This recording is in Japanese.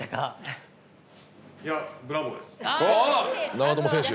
長友選手。